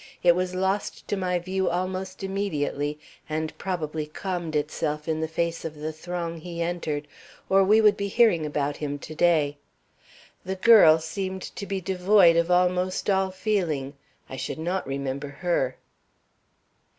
It was lost to my view almost immediately, and probably calmed itself in the face of the throng he entered, or we would be hearing about him to day. The girl seemed to be devoid of almost all feeling. I should not remember her."